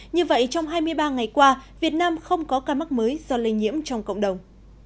như vậy trong hai mươi ba ngày qua việt nam không có ca mắc mới do lây nhiễm trong cộng đồng